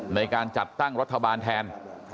ในการจัดตั้งรัฐบาลแทน